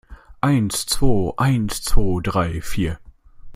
Eins zwo, eins zwo drei vier!